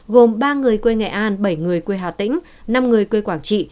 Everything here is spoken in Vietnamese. gồm ba người quê nghệ an bảy người quê hà tĩnh năm người quê quảng trị